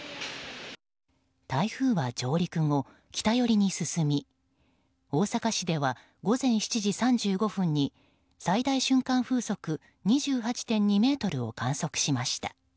台風は上陸後、北寄りに進み大阪市では午前７時３５分に最大瞬間風速２８．２メートルを観測しました。